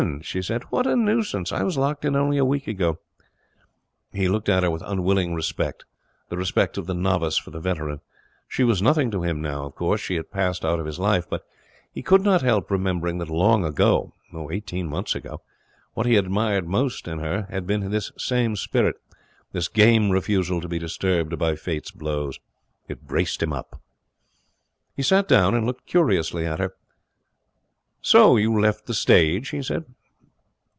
she said. 'What a nuisance! I was locked in only a week ago.' He looked at her with unwilling respect, the respect of the novice for the veteran. She was nothing to him now, of course. She had passed out of his life. But he could not help remembering that long ago eighteen months ago what he had admired most in her had been this same spirit, this game refusal to be disturbed by Fate's blows. It braced him up. He sat down and looked curiously at her. 'So you left the stage?' he said.